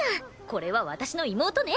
これは私の妹ね。